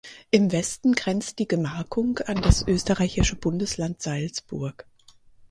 Im Westen grenzt die Gemarkung an das österreichische Bundesland Salzburg.